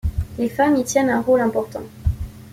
Les femmes y tiennent un rôle important.